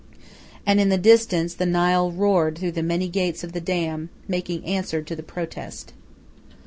And in the distance the Nile roared through the many gates of the dam, making answer to the protest.